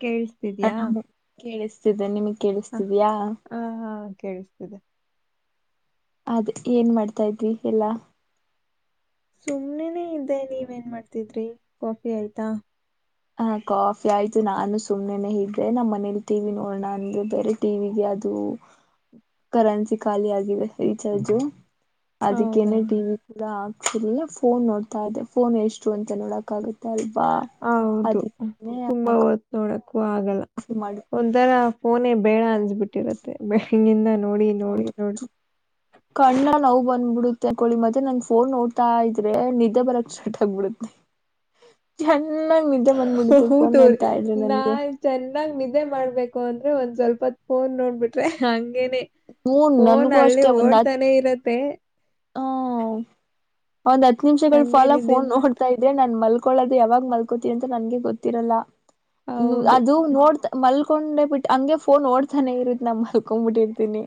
ಕೇೇಳಿಸತಿದ್ಯಾ hello ಕೇಳಿಸ್ತಿದೆ ನಿಮಗ್ ಕೇಳಿಸ್ತಿದ್ಯಾಾ ಹಾ ಹಾ ಕೇಳಿಸ್ತಿದೆ ಅದೇ ಏನ್ ಮಾಡ್ತಾ ಇದ್ವಿ ಎಲ್ಲಾ ಸುಮ್ನೆನೆೇ ಇದ್ದೆ ನೀವೇನ್ ಮಾಡಾತಿದ್ರಿ ಕಾಫಿ ಆಯ್ತಾ ಹ ಕಾಫಿ ಆಯ್ತು ನಾನು ಸುಮ್ನೆ ಇದ್ರೆ ನಮ್ಮ್ ಮನೇಲಿ ಟಿವಿ ನೋಡಣ ಅಂದ್ರೆ ಬೇರೆ ಟಿವಿಗೆ ಕರೆನ್ಸಿ ಖಾಲಿ ಆಗಿದೆ ಈಚು ಹೌದಾ ಅದಕ್ಕೇನೆ ಟಿವ ವಿ ಕೂಡ ಆ ಆ ಫೋನ್ ನೋಡ್ತಾ ಇದೆ ಫೋನ್ ಎಷ್ಟು ಅಂತ ನೋಡಕ್ ಆಗುತ್ತೆ ಅಲ್ವಾ ಹೌದು ಅದಕ್ಕೇನೆ ತುಂಬಾ ತ್ ನೋಡಕೂ ಆಗಲ್ಲ ಆಫ್ ಮಾಡು ಒಂಥರ ಫೋನೇ ಬೇಡ ಅನ್ಸಬಿಟ್ಟಿರುತ್ತೆ ಬೆಿಂದ ಹೌದು ಕಣ್ಣ ನೋವು ಬಂದ್ಬಿಡ ತಕಳಿ ಮತ್ತೆ ನಂಗ್ ಫೋನ್ ನೋಡ್ತಾ ಇದ್ರೆ ನಿದ್ದೆ ಬರಕ್ ಸ್ಟರ್ಟ್ ಆಗ್ಬಿಡುತ್ತೆ ಜನ್ನ ಮ ಹ ತೋ ನಾನ್ ಚೆನ್ನಾಗ್ ನಿದ್ದೆ ಮಾಡ್ಬೇಕ ಅಂದ್ರೆ ಒಂದ್ ಸ್ವಲ್ಪತ್ ಫೋನ್ ನೋಡ್ಬ ಬಿಟ್ರೆ ಹಂಗೇನೆ ಹೂ ಫೋನ್ ನನ್ಗೂ ಅಲ್ಲೇ ಓಡ್ತಾನೆ ಇರತ್ತೆ ಹ್ಮ ಒಂದ್ ಹತ್ ನಿಮಿಷಗಳ ಹಂಗೆ ಫಾಲ ನಿದ್ದೆ ಫೋನ್ ಮಾಡ್ತಾ ನೋಡ್ತಾ ಇದೆ ನನ್ ಮಲ್ ಯಾವಾಗ ಮಲ್ಕೋತಿ ಅಂತ ನಂಗೆ ಗೊತ್ತಿರಲ್ಲ ಹೌದು ಅದು ನೋಡ್ ಮ ಹಕೊಂಡೆ ಬಿಟ್ಟು ಹಂಗೆ ಫೋನ್ ಓಡ್ತಾನೆ ಇರತಿ ನಮ್ಮ್ ಅಲ್ಕೊಂಡ್ ಬಿಿಟ್ಟಿರ್ತಿನಿ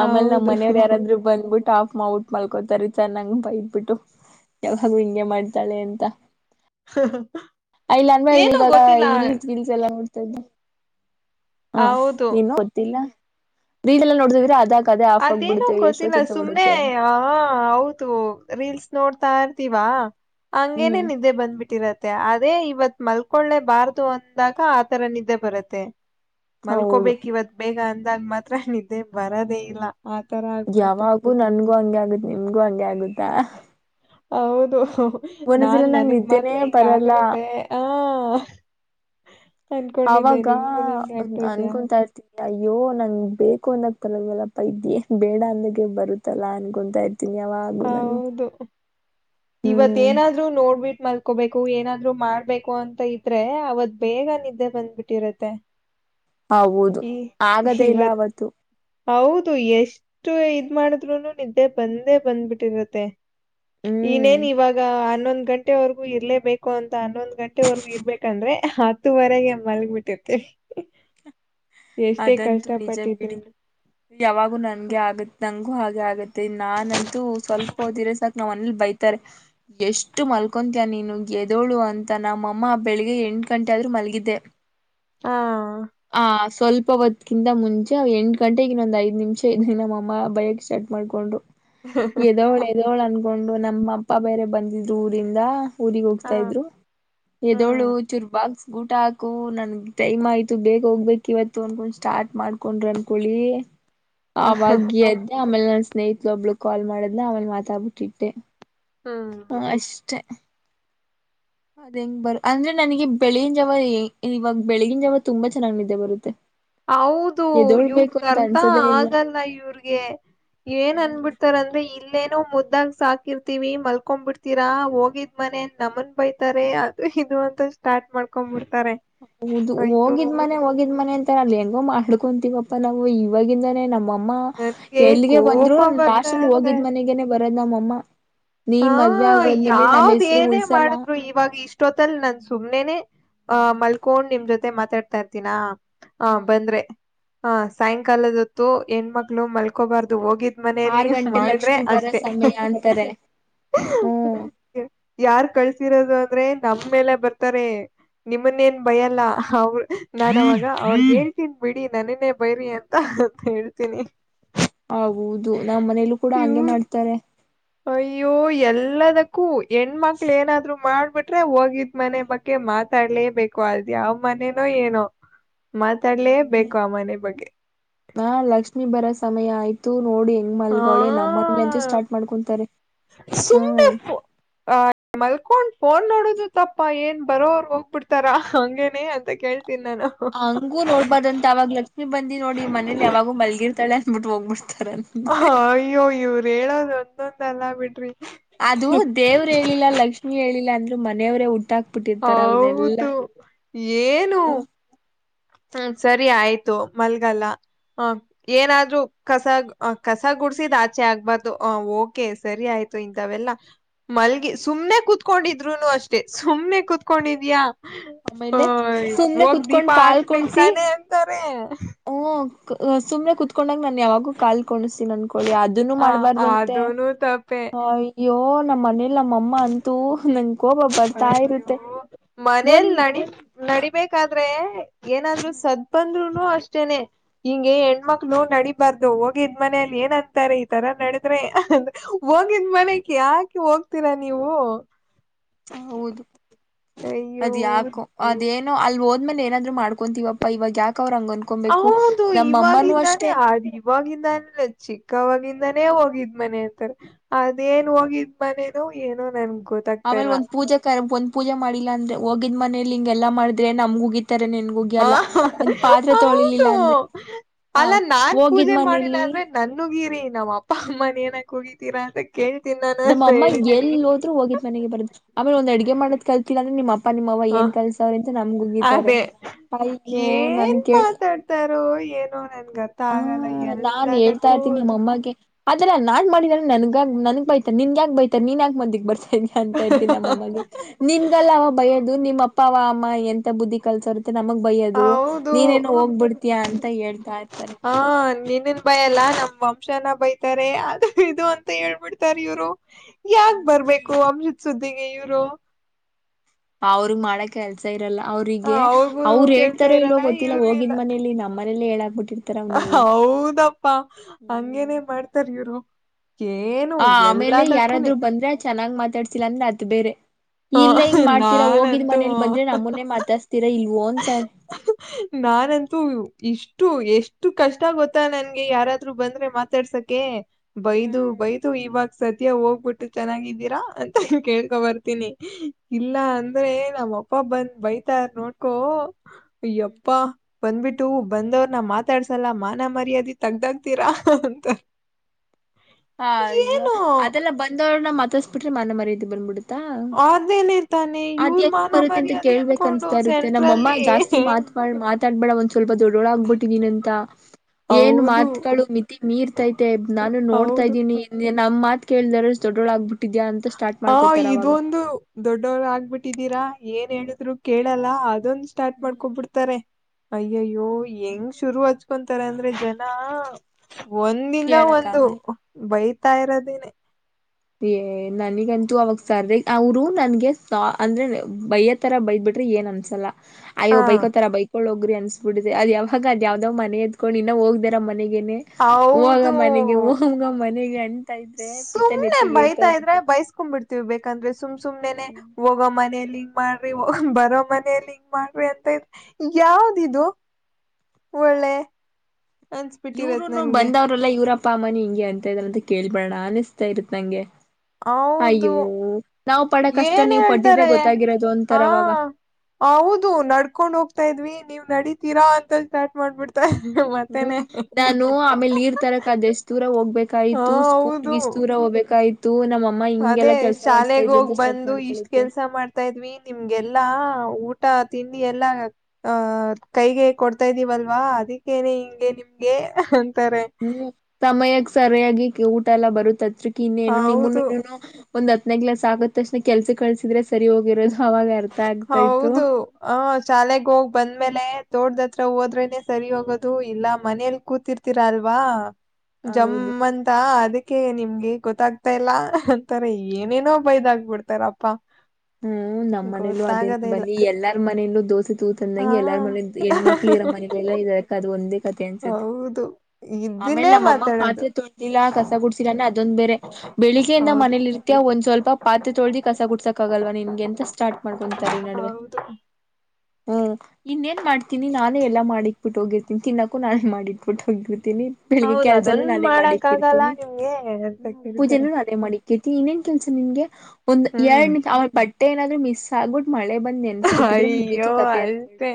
ಆಮೇಲೆ ನಮ್ಮ ಹೌದು ಮನೆಯವ್ರು ಯಾರಾದ್ರು ಬಂದ್ಬಿಟ್ಟು ಆಫ್್ಮವುಟ್ ಮಲ್ಕೋತಾರತ ನಂಗ ಬೈ ಇಟ್ಬಿಟ್ಟು ಯಾವಾಗೂ ಹಿಂಂಗಗೆ ಮಾಡ್ತಾಳೆ ಅಂತ ಇಲ್ಲ ಅಂದಮೇ ಏನೋ ಇವಾಗ ಗೊತ್ತಿಲ್ಲ ಹರೀಸ್ ಗೀಲ್ಸ್ ಎಲ್ಲಾ ನೋಡ್ತಾ ಇದ್ು ಹಾ ಹೌದು ನೀನು ಗೊತ್ತಿಲ್ಲ ಬೀಲೆಲ್ಲ ನೋಡಿದಿವೀರಾ ಅದಾಗ ಅದೇ ಆಫ್ ಅದೇನು ಆಗ್ಬಿಡುತ್ತೆ ಗೊತ್ತಿಲ್ಲ ಎಷ್ಟೊತ್ತು ಅಂತ ಸುಮ್ನೆ ಓಡುತ್ತೆ ಹ ಹೌದು ರೀಲ್ಸ್ ನೋಡ್ತಾ ಇರ್ತೀವಾ ಹಂಗೇನೆೇ ಹ್ಮ್ ನಿದ್ದೆ ಬಂದ್ಬಿಟ್ಟಿರತ್ತ ಅದೇ ಇವತ್ ಮಲ್ಕೊಳ್ಳೇ ಬಾರ್ದು ಅಂದಾಗ ಆತರ ನಿದ್ದೆ ಬರುತ್ತೆ ಹೌದು ಮಲ್ಕೋಬೇಕಕ್ ಇವತ್ ಬೇಗ ಅಂದಾಗ ಮಾತ್ರ ನಿದ್ದೆ ಬರದೇ ಇಲ್ಲ ಆ ತರ ಆಗ್ಬಿಡುತ್ತೆ ಗೂ ಹಂಗೆ ಆಗುತ್ತೆ ನಿಮ್ಗೂ ಹಂಗೆ ಆಗುತ್ತಾ ಹೌದು ಒಂದೊಂದ್ಸಲ ನಾನ್ ನಂಗ್ ನನಗ್ ನಿದ್ದೆನೇ ಮಾತ್ರ ಹಿಂಗ ಬರಲ್ಲ ಆಗರತ್ತೆ ಆ ಹಾ ಅವಾಗ ಅನ್ಕೊಂತಾ ಇರ್ತಿ. ಅಯ್ಯೋ ನಂ ಬೇಕು ಅನ್ನೋಕ್ ತಲಲ್ಲಪ್ಪ ಇದೇ ಬೇಡ ಅಂದಾಗೆ ಬರುತ್ತಲ್ಲಾ ಅನ್ಕೊತಾ ಇದಿ. ಹೌದು ಇವತ್ ಹ್ಮ್ ಏನಾದ್ರು ನೋಡ್ಬಿಟ್ಟ ಮಲ್ಕೋಬೇಕು ಏನಾದ್ರು ಮಾಡ್ಬೇಕು ಅಂತ ಇದ್ರೆ ಅವತ್ ಬೇಗ ನಿದ್ದೆ ಬಂದ್ಬಿಟ್ಟಿರತ್ತೆ ಹೌದು ಈ ಆಗದೇ ಇಲ್ಲ ಇವತ್ ಅವತ್ತು ಹೌದು ಎಷ್ಟು ಇದ್ ಮಾಡಿದ್ರುನು ನಿದ್ದೆ ಬಂದೇ ಬಂದ್ಬಿಟ್ಟಿರುತ್ತೆ ಹ್ಮ್ ಇನೇನ್ ಇವಾಗ ಹನ್ನೊಂದ್ ಗಂಟೆವರೆಗೂ ಇರ್ಲೇಬೇಕು ಅಂತ ಹನ್ನೊಂದ್ ಗಂಟೆವರೆಗೂ ಇರ್ಬೇಕಂದ್ರೆ ಹತ್ತುವರೆಗೆ ಮಲ್ಗ್ ಬಿಿಟ್ಟಿ ಅದಂತೂ ಕಷ್ಟ ನಿಜ ಬಿಡಿ ಪಟ್ಟಿದ್ರು ಯಾವಾಗೂ ನಂಗೆ ಆಗತ್ ನಂಗಗೂ ಹಾಗೆ ಆಗತ್ತ ನಾನಂತೂ ಸ್ವಲ್ಪ ತಿಸಕಕ್ ನಾವ್ನಲ್ ಬೈತ ಎಷ್ಟು ಮಲ್ಕೊಂತೀಯ ನೀನು ಎದೋಳು ಅಂತ ನಮ್ಮಮ್ಮ ಬೆಳಗ್ಗೆ ಎಂಟು ಗಂಟೆ ಆದ್ರೂ ನಲ್ಗಿದ್ದೆ ಹಾ ಆ ಸ್ವಲ್ಪ ಹೊತ್ಕಿಂತ ಮುಂಚೆ ಎಂಟು ಗಂಟೆಗನ್ನೊಂದ್ ಐದ್ ನಿಮಿಷ ಇದ ನಮ್ಮಅಮ್ಮ ಬಯಕ್ಕೆ ಸ್ಟಾರ. ಮಾಡ್ಕೊಂಡ್ರು ಎದೋಳು ಎದೋಳು ಅನ್ಕೊಂಡು ನಮ್ಮ ಅಪ್ಪ ಬೇರೆ ಬಂದಿದ್ರು ಊರಿಂದ. ಊರಿಗೆಗ್ ಹಾ ಹೋಗ್ತಾ ಇದ್ರು ಎದೋಳು ಹ್ಮ್ ಚೂರು ಬಾಕ್ಸ್ ಊಟ ಹಾಕು ನನ್ಗೆ ಟೈಮ್ ಆಯ್ತು ಬೇಗ ಹೋಗ್ಬೇಕ ಇವತ್ತು ಅನ್ಕೊಂಡ್ ಸ್ಟಾರ್ಟ್ ಮಾಡ್ಕೊಂಡ್ರರು ಅನ್ಕಳಿ ಅವಾಗ ಅದ ಆಮೇಲೆ ನನ್ ಸ್ನೇಹಿತಲ ಒಬ್ಳ ಕಾಲ್ ಮಾಡದ್ನ ಆಮೇಲೆ ಮಾತಾಡ್ಬಿಟ್ಟಿಟ್ಟೆ ಹ ಹ್ಮ್ ಅಷ್ಟೇ ಅದ್ ಹೆಂಗ ಬರ ಅಂದ್ರೆ ನನಗೆ ಬೆಳಗಿನ ಜಾವ ಇವಾಗ ಬೆಳಗಿನ ಜಾವ ತುಂಬಾ ಚೆನ್ನಾಗ್ ನಿದೆೆ ಬರುತ್ತೆ ಹೌದು ಎದೋಳ್ಬೇಕು ಇವ್ರಗ ಅಂತ ಅರ್ಥ ಅನ್ಸೋದೇ ಇಲ್ಲ ಆಗಲ್ಲ ಇವ್ರಿಗೆ ಏನ್ ಹ್ಮ್ ಅನ್ಬಿಡ್ತಾರಂದ್ರೆ ಇಲ್ಲೇನೋ ಮೊದ ಇದಾಗ ಸಾಕಿರ್ತಿೀವಿ ಮಲ್ಕೊಂಡ್ ಬಿಡ್ತೀರಾ ಹೋಗಿದ್ ಮನೆ ನಮನ್ ಬೈತಾರೆ ಅ ಇದು ಅಂತ ಸ್ಟಾರ್ಟ್ ಮಾಡ್ಕೊಂಬ ಹೌದು ಹೋಗಿದ್ ಮನೆ ಹೋಗಿದ್ ಮನೆ ಅಂತ ಅಲ್ಲಂಗ ಮಾಡ್ಕೊಂತೀವಪ್ಪಾ ನಾವು ಇವಾಗಿಂದನೇ ನಮ್ಮ ಅಮ್ಮ ನನ್ಗೆ ಎಲ್ಲಿಗೆ ಕೋಪ ಬಂದ್ರು ಬರ್ತಾ ಲಾಸ್ಟ್ಲ್ಲಿ ಇರತ್ತೆ. ಹೋಗಿದ್ ಮನೆಗನೆ ಬರದಮ್ಮ ಅಮ್ಮ ಹಾ ಯಾವ್ದ ಏನೇ ಉಳ್ಸಲ್ಲ ಮಾಡಿದ್ರು ಇವಾಗ ಇಷ್ಟೊತ್ತಲ್ ನನ್ ಸುಮ್ನೆನೆ ಆಹ ಮಲ್ಕೊಂಡ್ ನಿಮ್ ಜೊತೆ ಮಾತಾಡ್ತಾ ಇರ್ತೀಿನ ಆ ಬಂದ್ರೆ ಹ ಸಾಯಂಕಾಲದೊತ್ತು ಹೆಣ್ಮಕ್ಳ ಮಲ್ಕೋಬಾರ್ದು ಹೋಗಿ ಮನೆಯಲ್ಲಿ ಆರ್ ಗಂಟೆ ಮಾಡಿದ್ರೆ ಲಕ್ಷ್ಮಿ ಬರೋ ಅಷ್ಟೆ ಸಮಯ ಅಂತಾರೆ ಹ್ಮ್ ಯಾರ ಕಳ ರೋದು ಅಂದ್ರೆ ನಮ್ ಮೇಲೆ ಬರ್ತಾರೆ ನಿಮ್ಮನ್ನೇನ್ ಭಯಲ್ಲ ಅವ ನಾನ್ವಾಗ ಅವ್ ಕೇಳ್ತೀನ್ ಬಿಡಿ ನನನೇ ಬೈರಿ ಅಂತ ಹೇಳ್ತೀನಿ ಹೌದು ನಮ್ಮ್ ಮನೇಲ್ಲೂ ಕೂಡ ಹಂಗೆ ಇವ್ರ್ ಮಾಡ್ತಾರೆ ಅಯ್ಯೋ ಎಲ್ಲದಕ್ಕೂ ಹೆಣ್ಮಕ್ಳ ಏನಾದ್ರು ಮಾಡ್ಬಿಟ್ರೆ ಹೋಗಿದ್ ಮನೆ ಬಕಗೆ ಮ ಮಾತಾಡ್ಲೇಬೇಕೇಕು ಅಲ್ದು ಯಾವ ಮನೇನೋ ಏನೋ ಮಾತಾಡ್ಲೇೇ ಹ್ಮ್ ಬೇಕು ಆ ಮನೆ ಬಗ್ಗೆ ಹಾ ಲಕ್ಷ್ಮಿ ಬರ ಸಮಯ ಆಯ್ತು ನೋಡಿ ಹೆಂಗ್ ಆ ಮಲ್ಗಳೆ ನಮ್ಮನ ಅಂಜು ಸ್ಟಾರ್ಟ್ ಮಾಡ್ಕೊಂತಾರೆ ಹ್ಮ ಸುಂಬೆ ಆ ಮಲ್ಕೊಂಡ್ ಫೋನ್ ನೋಡುದು ತಪ್ಪಾ ಏನ್ ಬರೋ ಅವರು ಹೋಗ್ಬಿಡ್ತಾರ ಹಂಗೇನೆ ಅಂತ ಕೇ ಹಂಗೂ ನೋಡ್ಬದುಂತ ಅವಾಗ ಲಕ್ಷ್ಮಿ ಬಂದಿ ನೋಡಿ ಮನೇಲಿ ಯಾವಾಗೂ ಮಲ್ಗಿರ್ತಳೆ ಅಂದ್ಬಿಟ್ಟು ಹೋಗ್ಬಿಡ್ತ ಹ ಅಯ್ಯೋ ಇವರು ಹೇಳೋದ ಒಂದೊಂದ ಎಲ್ಲ ಬಿಡ್ರಿ ಅದು ದೇವ್ರ ಹೇಳಿಲ್ಲ ಲಕ್ಷ್ಮಿ ಹೇಳಿಲ್ಲ ಅಂದ್ರರು ಮನೆಯವ್ರೇ ಹುಟ್ಟ ಹೌದು ಏನು ಹ್ಮ ಸರಿ ಆಯ್ತು ಮಲ್ಗಲ್ಲ ಹ ಏನಾದ್ರೂ ಕಸ ಕಸ ಗುಡ್ಸಿದ್ ಆಚೆ ಆಗ್ಬಾರ್ದು ಹ ಓಕೆ ಸರಿ ಆಯ್ತು ಆಯ್ತು ಇಥವೆಲ್ಲಾ ಮಲ್ಗೆ ಸುಮ್ನೆ ಕುತ್ಕೊಂಡಿದ್ರುನು ಅಷ್ಟೆ ಸುಮ್ನೆ ಕುೂತ್ಕೊಂಡಿದ್ಯಾಾ ಆಮೇಲೆ ಸುಮ್ನೆ ಹ ಕುತ್ಕೊಂಡ್ ದೀಪಾ ಹಚ್ಬೇಕ್ ತಾನೆ ಹ ಸುಮ್ನೆ ಕುೂತ್ಕೊಂಡಾಗ ನನ್ ಯಾವಾಗೂ ಕಾಲ್ ಕ್ಸಿ ಅನ್ಕೊಳ್ಳಿ ಅದನ್ನು ಆ ಮಾಡಬಾರ್ದಂತೆ ಅದೂನು ತಪ್ಪೆ ನಮ್ಮ ಮನೇಲಿ ನಮ್ಮಮ್ಮ ಅಂತೂ ನನ್ ಕೋಬ ಬರ್ತಾ ಅಯ್ಯೋ ಇರುತ್ತೆ ಮನೇಲ್ ಒಂದ್ ನಡಿ ನಡಿಬೇಕಾದ್ರೆ ಏನಾದ್ರು ಸದ ಬಂದ್ರು ಅಷ್ಟೇನೆ ಹಿಂಗೆ ಹೆಣ್ಮಕ್ಳು ನಡೀಬಾರ್ದು ಹೋಗಿದ್ ಮನೆಯಲ್ಲಿ ಏನ್ಂತಾರೆ ಈ ತರ ನಡದ್ರೆ ಹೋಗಿದ ಮನೆಕ್ ಯಾಕೆ ಹೋಗ್ತೀರಾ ನೀವು ಹೌದು ಅಯ್ಯೋ ಅದ್ ಯಾಕೋ ಅದೇನು ಅಲ್ಲಿ ಹೋದ್ಮೇಲೆ ಏನಾದ್ರು ಮಾಡ್ಕೊತೀವಪ್ಪ ಇವಾಗ ಯಕೆ ಹೌದು ಇವಾಗಿಂದಾನೆ ಅಷ್ಟೇ ಅ ಇವಾಗಿಂದಾನೇ ಲಚ್ಚಿ ಕ್ಕವಾಗಿಂದಾನೇ ಹೋಗಿದ್ ಮನೆ ಹಂತರ ಅದೇಏನ್ ಹೋಗಿದ್ ಮನೆ ಹದ ಆಮೇಲೆ ಒಂದ್ ಪೂಜೆ ಕ ಒಂದ ಪೂಜೆ ಮಾಡಿಲ್ಲ ಅಂದ್ರೆ ಹೋಗಿದ ಮನೇಲಿ ಹಿಂಗೆಲ್ಲ ಮಾಡಿದ್ರೆ ನಮ್ ಹೋಗಿತ್ತು ನನ್ಗ ಹೋಗಿ ಹ ಅಲ್ಲ ಒಂದ್ ಪಾತ್ರ ಹೌದು ತೊಳಿಲಿಲ್ಲ ಅಂದ್ರೆ ಹ ಅಲ್ಲ ನಾನ್ ಹೋಗಿದ್ ಪೂಜೆ ಮಾಡಿಲ್ಲ ಮನೇಲಿ ಅಂದ್ರೆ ನನ್ಗೀರಿ ನಾವ್ ಅಪ್ಪ ಅಮ್ಮನ ಏನಕ್ ಹಗಿತೀರಾ ಅದಕ್ಕೆ ನಮ್ಮ ಅಮ್ಮ ಎಲ್ಲಿ ಹೋದ್ರು ಹೋಗಿದ್ ಮನೆಗೆ ಬರದ್ ಆಮೇಲೆ ಒಂದ್ ಅಡ್ಗೆ ಮಾಡೋದ್ ಕಲ್ತಿಲ್ಲ ಅಂದ್ರೆ ನಿಮ್ಮ ಅಪ್ಪ ಅಪ್ಪ ನಿಮ್ಮವ ಹ ಏನ್ ಕಲ್ಸ ಅವ್ರ ಅಂತ ನಮ್ಗ ಉಗಿತಾರೆ ಅದೇ ಅಯ್ಯೋ ನನ್ ಏನ್ ಕೇಳಿ ಮಾತಾಡ್ತಾರೋ ಏನೋ ಗತ್ತ ಹ ಆಗಲ್ಲ ಎಲ್ಲದ ಕೂದು ನಾ ಮಾಡಿದೇನೆ ನನ್ಗ ನನ್ಗ್ ಬೈತ ನನ್ ಯಕ ಬೈತ ನೀನ್ರರಾಕಕ್ಂದಿ ಬರ್ತ ಅಂತ ಇರ್ತೀನಮ್ಮಮ್ಮಗೆ ನಿಮ್ಗೆಲ್ಲ ಅವ ಭಯದು ನಿಮ್ಮ್ ಅಪ್ಪ ಅವ ಅಮ್ಮ ಎಂತ ಬುದ್ಧಿ ಕಲ್ಸರ್ ಮತ್ತೆ ನಮಗ್ ಬೈಯ್ಯೋದು ಹೌದು ನೀನ್ನು ಹೋಗ್ಬಿಡ್ತೀಯಾ ಅಂತ ಹೇಳ್ತಾ ಇರ್ತಾರೆ ಹಾ ನೀನ್ನನ್ ಬಯಲ್ಲ ನಮ್ ವಂಶನ ಬೈತಾರೆ ಅದು ಇದು ಅಂತ ಹೇಳ್ಬಿಡ್ತಾರ ಇವ್ರು ಯಾಕೆ ಬರಬೇಕು ವಂಶುನ್ ಸುದ್ದಿಗೆ ಇವರು ಅವ್ರಗ್ ಮಾಡ ಕೆಲ್ಸ ಇ ಲ್ಲ ಹ ಅವರಿಗೆ ಅವ್ರಿಗೂ ಅವ್ರು ಕೆಲ್ಸ ಹೇಳ್ತಾರೋ ಇಲ್ವೋ ಇರಲ್ಲ ಗೊತ್ತಿಲ್ಲ ಇವ್ರಿಗೂ ಹೋಗಿದ್ ಇಲ್ಲ ಮನಲಿ ನಮ್ಮ ಮನೇಲ್ಲೇ ಹೇಳಾಗಬಿಟ್ಟು ಹೌದಪ್ಪಾ ಹ್ಮ್ ಹಂಗೇನೆ ಮಾಡ್ತಾರ ಇವ್ರು ಏನು ಆ ಆಮೇಲೆ ಎಲ್ಲದಕ್ಕೂನೆ ಯಾರಾದ್ರು ಬಂದ್ರೆ ಚನ್ನಾಗ್ ಮಾತ್ ಅಂದ್ರೆ ಅದು ಬೇರೆ [unintelligible] ಆ, ಇಲ್ಲ ಹಿಂಗ ಮಾಡ್ತೀರಾ ಹೋಗಿದ್ ನಾನಂತೂ ಮನೇಲಿ ಬಂದ್ರೆ ನಮ್ಮ ಮುನೆ ಮಾತಾಡ್ಸರಾ ಇಲ್ ನಾನಂತೂ ಇಷ್ಟ ಅಷ್ಟು ಎಷ್ಟು ಕಷ್ಟ ಗೊತ್ತಾ ನನ್ಗೆ ಯಾರಾದ್ರು ಬಂದ್ರೆ ಮಾತಾಡ್ಸಕೆ ಬೈದು ಹ್ಮ್ ಬೈದು ಇವಾಗ ಸತ್ಯ ಹೋಗ್ಬಿಟ್ಟು ಚೆನ್ನಾಗಿದ್ದೀರಾ ಅಂತ ನೀ ಕೇಳ್ಕೊ ಬರ್ತೀನಿ ಇಲ್ಲ ಅಂದ್ರೆ ನ ಪ್ಪ ಬಂದ ಬೈತಾರ ಹ್ಮ್ ನೋಡ್ಕೊ್ಯಪ್ಪ ಬಂದ್ಬಿಟ್ಟು ಬಂದವ್ರನ ಮಾತಾಡ್ಸಲ್ಲ ಮಾನ ಮರ್ಯಾದೆ ತಗ್ದಕ್ತೀರಾ ಅಂತ ಹ ಅಯ್ಯೋ ಏನು ಅದೆಲ್ಲ ಬಂದವ್ರನ ಮತಸ್ಬ ಬಿಟ್ರೆ ಮಾನ ಮರ್ಯಾದೆ ಬಂದು ಬಿಡುತ್ತಾ ಅನ ಇರ್ತಾನೆ [unintelligible] ಅದ್ಯಾಕ್ ಬರುತ್ತೆ ಅಂತ ಕೇಳ್ಬೇಕ ಅನ್ಸ ಇರುತ್ತೆ ನಮ್ಮಮ್ಮ ಸೆಂಟ್ರಲ್ಲಿ ಜಾಸ್ತಿ ಮಾತ ಮಾತಾಡ್ಬೇಡ ಒ ಸ್ವಲ್ಪ ದೊಡ್ಡೊಳಾಗಬಿಟ್ಟಿದೀನ ಅಂತ ಏನ್ ಹೌದು ಮಾತಗಳು ಮಿತಿ ಮೀರ್ತೈತೆ ನಾನು ನೋಡ್ತಾ ಹೌದು ಇದ್ದೀನಿ ನಮ್ಮ್ತ್ ಕೇಳಿದ್ರ ದೊಡ್ಡೊಳ ಆಗ್ಬಟ್ ಹ ಇದೊಂದು ದೊಡ್ಡವರು ಆಗ್ಬಿಟ್ ಬಿಟ್ಟಿದ್ದೀರಾ ಏನ್ ಹೇಳಿದ್ರು ಕೇಳಲ್ಲ ಅದೊನ್ ಸ್ಟಾರ್ಟ್ ಮಾಡ್ಕೊ ಬಿಡ್ತಾರೆ ಅಯ್ಯಯ್ಯೋ ಹೆಂಗ್ ಶುರು ಹಚ್ಕೊಂತಾರ ಅಂದ್ರೆ ಜನ ಒಂದಿಂದ ಕೇಳಕ್ ಒಂದು ಆಗಲ್ಲ. ಬೈತಾ ಇರೋದೇನೆ ಏ ನನಗಂತೂ ಅವಾಗ ಸರ್ದ ಅವರು ನನ್ಗೆ ಅಂದ್ರೆ ಬಯ್ಯ ತರ ಬೈ ಬಿಿಟ ರಿ ಏನ್ ಅನ್ಸಲ್ಲ ಹ ಅಯ್ಯೋ್ ಬೈಕೋತಾರ ಬೈಕಳ್ ಹೋಗ್ರಿ ಅನ್ಸ್ಬ ಬಿಡಿದೆ ಅದ್ಾವಾಗ ಅದ್ ಯಾವ್ದಾವ್ ಮನೆ ಎದ್ಕೊಂಡ್ ಇನ್ನ ಹೋಗ್ದರ ಮನೆಗೆ ಹಾಗ ಹೌದು ಮನೆಗೆ ಹಮ್ ಮನೆಗೆ ಅಂತ ಇದ್ರೆ ಪಿತ ಸುಮ್ನೆ ನೆತ್ತ ಬೈತಾ ಇದ್ರೆ ಬೈಸ್ಕೊಂಡ್ ಬಿಿಡ್ತೀವಿ ಬೇಕಂದ್ರೆ ಸುಮ್ ಸುಮ್ನೆ ಹೋಗೋ ಮನಲಿ ಹ ಮಾಡ್ರಿ ಬರೋ ಮನೆಯಲ್ಲಿ ಹಿಂಗ ಮಾಡ್ರಿ ಅಂತ ಇದ ಯಾವ್ದಿದು ಒಳ್ಳೆ ಅನ್ಸ್ಬಿಟ್ಟಿರತ್ ಇವರುನು ನನ್ಗೆ ಬಂದವ್ರಲ್ಲಾ ಇವ್ರಪ್ಪ ಅಮ್ಮನಿ ಹಿಂಗೆ ಅಂತ ಇದಾರಂತ ಕೇಳ್ಬೇಡಣ ಅನಿಸ್ತಾ ಇರುತ್ತ ನಂಗೆ ಹೌದು ಅಯ್ಯೋ ನಾವವು ಪಡಕಷ್ಟ ಏನ್ ನೀವು್ ಪಟ್ಟಿದ್ರೆ ಹೇಳ್ತಾರೆ ಗೊತ್ತಾಗಿರೋದು ಆ ಅಂತರವಾಗ ಹೌದು ನಡ್ಕೊಂಡ್ ಹೋಗ್ತಾ ಇದ್ವಿ ನೀವ್ ನಡಿತೀರಾ ಅಂತ ಚ್ಟಾರ್ಟ್ ಮಾಡ್ಬಿಡ್ತ ಹ್ಮ್ ನಾನು ಆಮೇಲೆ ನೀರ್ ತರಕ್ ಅದ್ ಎಷ್ಟ ದೂರ ಹಾ ಹೋಗ್ಬೇಕಾಯ್ತು ಸ್ಕೂಲ್ಗೆ ಹೌದು ಇಷ್ಟ ದೂರ ಹೋಗ್ಬೇಕಾಯ್ತು ನಮ್ಮಮ್ಮ ಅದೇ ಹಿಂಗೆಲ್ಲಾ ಕೆಲ್ಸ ಮಾಡ್ಸ್ತಾ ಶಾಲೆಗ ಇದ್ರು ಹೋಗ್ ಅಂತ ಸ್ಟಾರ್ಟ್ ಬಂದು ಇಷ್ಟ ಮಾಡ್ಕೊಳುತ್ತೆ ಕೆಲ್ಸ ಮಾಡ್ತಾ ಇದ್ವಿ ನಿಮ್ಗೆಲ್ಲಾ ಊಟ ತಿಂಡಿ ಎಲ್ಲ ಕೈಗೆ ಕೊಡ್ತಾ ಇದ್ದೀವಲ್ವಾ ಅದಕ್ಕ ನ ಹಿಂಗೆ ನಿಮ್ಗೆ ಅಂತಾರೆ ಹ್ಮ್ ಸಮಯಕ್ ಸರಿಯಾಗಿ ಊಟ ಎಲ್ಲ ಬರುತ್ತ್ಕ್ ಇನ್ನೇನು ಹೌದು ನಿಮ್ಮನು ಒಂದ ಹತ್ನೇ್ಲಾಸ್ ಆಗತಕ್ಷಣ ಕೆಲ್ಸ ಕಳ್ಸಿದ್ರೆ ಸರಿ ಹೋಗಿರೋದು ಅವಾಗ ಅರ್ಥ ಆಗ್ತಾ ಇತ್ತು ಹೌದು ಹ ಶಾಲೆಗ ಹೋಗ್ ಬಂದ್ಮೇಲೆ ತೋಡ್ದತ್ ಹತ್ರ ಹೋದ್ರೆನೆ ಸರಿ ಹೋಗೋದು ಇಲ್ಲ ಮನೇಲಿ ಕೂತಿರ್ತೀರಾ ಅಲ್ವಾ ಹೌದು ಜಮ್ಮಂತ ಅದಕ್ಕೆ ನಿಮ್ಗೆ ಹಾಗ ಗೊತ್ತಾಗ್ತಾ ಇಲ್ಲ ಅಂತಾರೆ ಏನೇನೋ ಬೈದ್ ಆಾಗಬಿಡ್ತಾರಪ್ಪ ಹ್ಮ್ ನಮ್ಮ್ನೇಲೂ ಅದೇ ಬನ್ನಿ ಎಲ್ಲಾರ ಮನೇಲ್ಲೂ ದೋಸೆ ತೂತಂದಂಗೆ ಎಲ್ಲಾರ ಮನ ಹೆಣ್ಮಕ್ಳು ಇರೋ ಹಾ ಮನ ಇ ಅದು ಒಂದು ಹೌದು ಆಮೇಲೆ ಇದನ್ನೇ ನಮ್ಮಮ್ಮ ಪಾತ್ ಮಾತಾಡೋದು ತೊಳಿಲ್ಲ ಕಸ ಕುಡ್ಸಿಲ್ಲ ಅದೊಂದು ಬೇರೆ ಬೆಳಿಗೆಯಿಂದ ಹೌದು ಮನೇಲಿ ಇರ್ತ ಒಂದ್ ಸ್ವಲ್ಪ ಪಾತ್ ತೊಳ್ದಿ ಕಸ ಕುಡ್ಸಕ ಗಲ್ವಾ ನಿನ್ಗೆ ಎಂತ ಸ್ಟಾರ್ಟ್ ಮಾಡ್ಕೊಂತಾರ ನಡುವೆ ಹೌದು ಹ್ಮ್ ಇನ್ನೇಏನ್ ಮಾಡ್ತೀನಿ ನಾನೇ ಎಲ್ಲಾ ಮಾಡಿಕ್ಬಿಟ್ಟು ಹೋಗಿರ್ತೀಿ ತಿನ್ನಕ್ಕು ನಾನೇ ಮಾಡಿಟ್ಬಿಟ್ಟು ಹೋಗಿರ್ತೀನಿ ನಿ ಬೆಳಿಗ್ಗೆ ಹೌದು ಕೆಲ್ಸನುೂ ಅದೊಂದು ನದೇ ಮಾಡಿಕ್ ಮಾಡಕ್ ಆಗಲ್ಲ ಇರ್ತೀನಿ ನಿಮ್ಗೆ ಅಂತ ಹ ಕೇಳ್ತಾರೆ ಪೂಜೆನೂ ಅದೇ ಮಾಡಿಕ್ ಇರ್ತೀನಿ ಇನ್ನೇನ್ ಕೆಲ್ಸ ನಿಂಗೆ ಒಂದ್ ಹ್ಮ್ ಎರಡ್ ನಿ ಅವ್ರ ಬಟ್ಟೆ ಏನಾದ್ರು ಮಿಸ್ ಆಗಬಿಟ್ಟು ಮಳೆ ಬಂದ್ ನೆನ್ಸ್ಬಿಟ್ಟಿದ್ರೆ ಮುಗೀಿತು ಅಯ್ಯೋ ಕತೆ ಅನ್ಕೊಿ ಅಷ್ಟೇ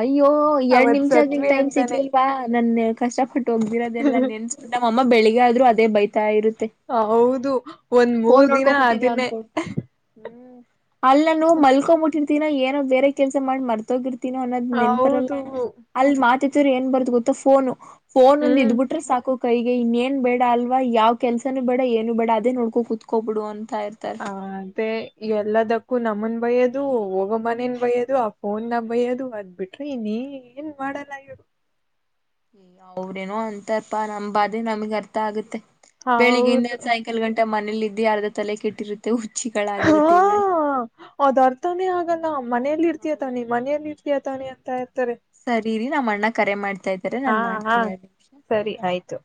ಅಯ್ಯೋ ಎರಡ್ ಅವತ್ ನಿಮಿಷದಿಂ ಸತ್ವಿ ಟೈಮ್ ಅಂತಾನೆ ಸಿಗ್ಲಿಲ್ವಾ ನನ್ನ ಕಷ್ಟಪಟ್ಟು ಹೋಗ್ದಿರೋದೆಲ್ಲ ನೆನ್ಸ ನಮ್ಮ ಬೆಳಗ್ಗೆ ಆದ್ರು ಅದೇ ಬೈತ ಇರುತ್ತೆ ಹೌದು ಒಂದ್ ಫೋನ್ ಮೂರ್ ನೋಡ್ಕೋ ದಿನ ಹೂತಿದ್ಯಾ ಅದನ್ನೇ ಅನ್ಕೊಂಡು ಹ್ಮ್ ಅಲ್ಲ ನಾನು ಮಲ್ಕೊ್ ಮುಟ್ಟಿರ್ತೀನ ಏನೋ ಬೇರೆ ಕೆಲ್ಸ ಮಾಡಿ ಮರ್ತೋಗಿರ್ತಿ ಿನೋ ಅನ್ನೋದ್ ನೆನ್ಪರಲ್ಲ ಹೌದು ಅಲ್ ಮಾತತಿ್ರರು ಏನ್ ಬಾರದು ಗೊತ್ತಾ ಫೋನು ಫೋನ್ ಒಂದ ಹ್ಮ್ ಇದ್ಬ ಬಿಟ್ರೆ ಸಾಕು ಕೈಗೆ ಇನ್ನೇನ್ ಬೇಡ ಅಲ್ವಾ ಯಾವ ಕೆಲ್ಸನು ಬೇಡ ಏನು ಬೇಡ ಅದೇ ನೋಡ್ಕೋ ಕುತ್ಕೋಬಿಡು ಅನ್ ಹಾದೆ ಎಲ್ಲದಕ್ಕೂ ನಮನ್ ಬಯೋದು ಹೋಗೋ ಮನೇನ್ ಬಯೋದು ಆ ಫೋನ್ ನ ಬಯೋದು ಅದ್ ಬಿಟ್ರೆ ನೀ ಏ ಏನ್ ಮಾಡಲ್ಲ ಇವರು ಯ ಅವ್ರೇನೋ ಅಂತಪ್ಪ ನಂಬಾದೆ ನಮಗ್ ಅರ್ಥ ಆಗತ್ತೆ ಬೆಳಿಗ್ಗೆಯಿಂದ ಹೌದು ಸಾಯಂಕಾಲ ಗಂಟ ಮನೇಲ್ಲ ಇದಿದ್ದಿ ಅರ್ಧ ತಲೆ ಕೆಟ್ಟಿರುತ್ತ ಹಾ ಅದ್ ಅರ್ಥಾನೇ ಆಗಲ್ಲ ಮನೇೆಯಲ್ಲಿ ಇರ್ತಿಯ ತಾನೆ ಮನೆಯಲ್ಲಿ ಇರ್ತ ತಾನೆ ಅಂತ- ಇರ್ತಾರೆ. ಸರಿ ಇರಿ ನಮ್ಮ ಅಣ್ಣ ಕರೆ ಮಾಡ್ತಾ ಇದ್ದಾರೆ ಹಾ ನಾನ್ ಹಾ ಮಾಡ್ತೀನಿ ಎರಡ್ ನಿಮಿಷ. ಸರಿ ಆಯ್ತು.